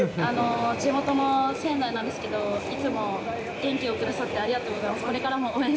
地元の仙台なんですけど、いつも元気をくださってありがとうございます。